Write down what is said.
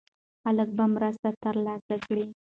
خلک به مرسته ترلاسه کړي.